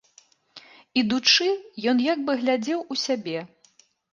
Ідучы, ён як бы глядзеў у сябе.